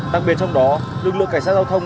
đặc biệt trong đó lực lượng cảnh sát giao thông